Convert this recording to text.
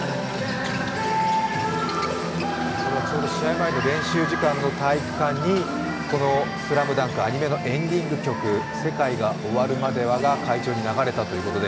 前の練習時間の体育館にこの「ＳＬＡＭＤＵＮＫ」アニメのエンディング曲、「世界が終るまでは」が会場に流れたということで。